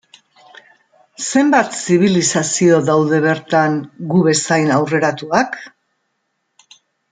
Zenbat zibilizazio daude bertan gu bezain aurreratuak?